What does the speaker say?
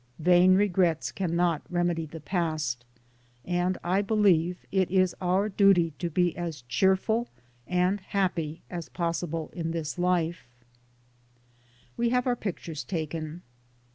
Vain regrets cannot remedy the past, and I believe it is our duty to be as cheerful and happy as possible in this life. 62 DAYS ON THE ROAD. WE HAVE OUR PICTURES TAKEN.